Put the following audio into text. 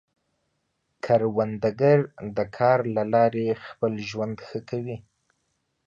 کروندګر د کار له لارې خپل ژوند ښه کوي